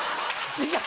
違う！